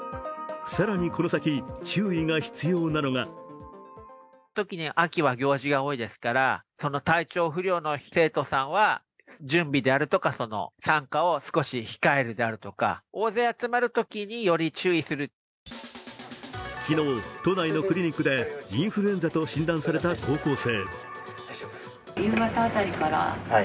更にこの先、注意が必要なのが昨日、都内のクリニックでインフルエンザと診断された高校生。